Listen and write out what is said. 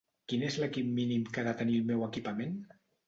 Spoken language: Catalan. Quin és l'equip mínim que ha de tenir el meu equipament?